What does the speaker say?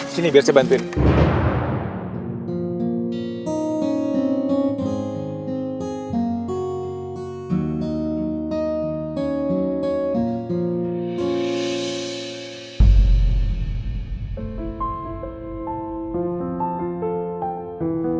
sini biar saya bantuin